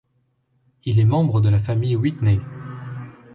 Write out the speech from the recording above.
Il est membre de la famille Whitney.